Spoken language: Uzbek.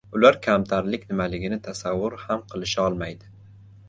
Ular kamtarlik nimaligini tasavvur ham qilisholmaydi